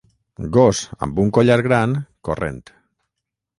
Gos amb un collar gran corrent.